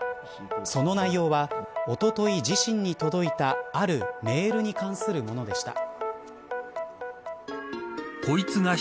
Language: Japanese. その内容はおととい自身に届いたあるメールに関するものでした。